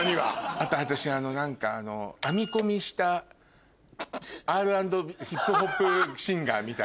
あと私何か編み込みしたＲ＆ヒップホップシンガーみたいな。